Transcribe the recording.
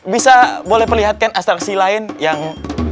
bisa boleh perlihatkan atraksi lain yang